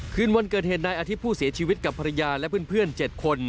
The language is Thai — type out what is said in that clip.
คืนวันเกิดเหตุนายอาทิตย์ผู้เสียชีวิตกับภรรยาและเพื่อน๗คน